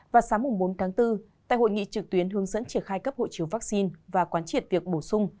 vào sáng bốn tháng bốn tại hội nghị trực tuyến hướng dẫn triển khai cấp hộ chiếu vaccine và quán triệt việc bổ sung